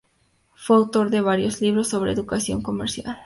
Fue autor de varios libros sobre educación comercial.